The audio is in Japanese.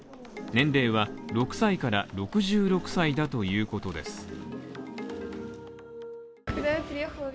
年齢は６歳から６６歳だということです。